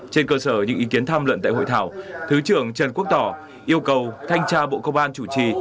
trên cơ sở những ý kiến tham luận tại hội thảo thứ trưởng trần quốc tỏ yêu cầu thanh tra bộ công an chủ trì